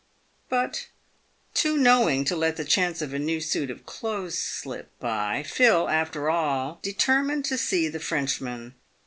But, too knowing to let the chance of a new suit of clothes slip by, Phil, after all, determined to see the Frenchman.